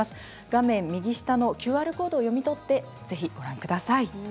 画面右下のＱＲコードを読み取ってぜひご覧ください。